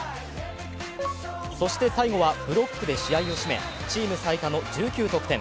そして最後はブロックで試合を締めチーム最多の１９得点。